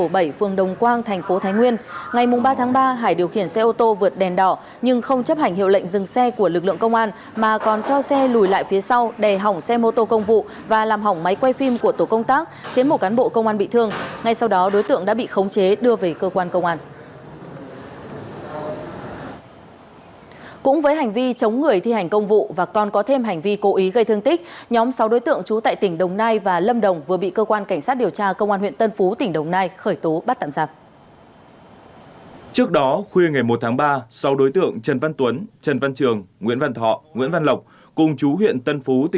bị yêu cầu dừng xe vì vượt đèn đỏ phạm thanh hải không chấp hành hiệu lệnh mà còn chống trả khiến một cán bộ công an bị thương đối tượng vừa bị cơ quan cảnh sát điều tra làm rõ vụ án để xử lý theo quy định của pháp luật đối tượng vừa bị cơ quan cảnh sát điều tra làm rõ vụ án để xử lý theo quy định của pháp luật